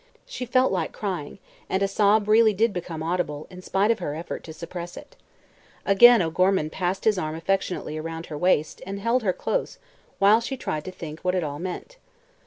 She felt like crying, and a sob really did become audible in spite of her effort to suppress it. Again O'Gorman passed his arm affectionately around her waist and held her close while she tried to think what it all meant.